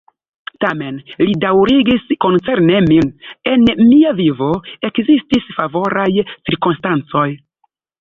Tamen, li daŭrigis, koncerne min, en mia vivo ekzistis favoraj cirkonstancoj.